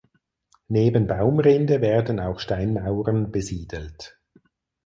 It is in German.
Neben Baumrinde werden auch Steinmauern besiedelt.